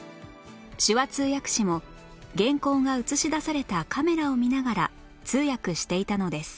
手話通訳士も原稿が映し出されたカメラを見ながら通訳していたのです